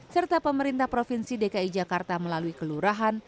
serta pemerintah provinsi dki jakarta melalui kelurahan